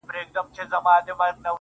هغه هغه پخوا چي يې شپېلۍ ږغول,